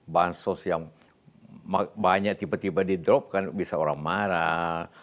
bansos yang banyak tiba tiba di drop kan bisa orang marah